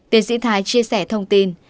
tiến sĩ thái chia sẻ thông tin